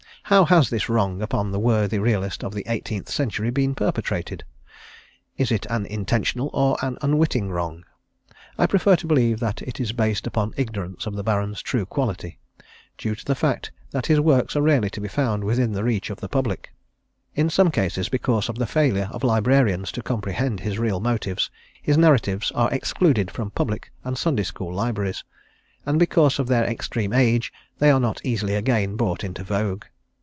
How has this wrong upon the worthy realist of the eighteenth century been perpetrated? Is it an intentional or an unwitting wrong? I prefer to believe that it is based upon ignorance of the Baron's true quality, due to the fact that his works are rarely to be found within the reach of the public: in some cases, because of the failure of librarians to comprehend his real motives, his narratives are excluded from Public and Sunday School libraries; and because of their extreme age, they are not easily again brought into vogue.